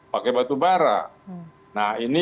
pakai batubara nah ini